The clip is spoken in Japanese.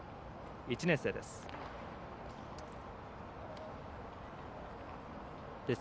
１年生です。